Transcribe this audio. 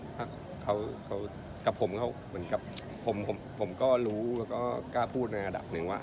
ผมก็รู้แล้วก็แก้พูดในระดับหนึ่งว่า